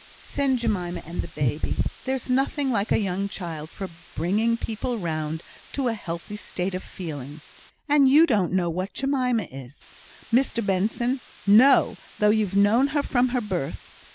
"Send Jemima and the baby. There's nothing like a young child for bringing people round to a healthy state of feeling; and you don't know what Jemima is, Mr Benson! No! though you've known her from her birth.